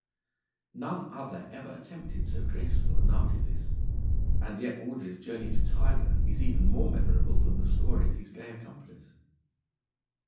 None other ever attempted so graceful an artifice, and yet Audrey's journey to Tyburn is even more memorable than the story of his gay accomplice.